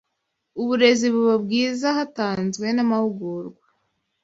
uburezi buba bwiza hatazwe n'amahugurwa